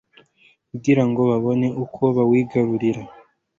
kugira ngo abone uko bawigarurira